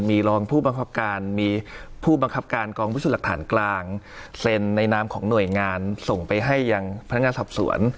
มีรองผู้บังคับการมีผู้บังคับการกองพิสูจน์หลักฐานกลางเซ็นในนามของหน่วยงานส่งไปให้ยังพนักงานสอบสวน